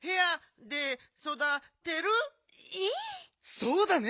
そうだね。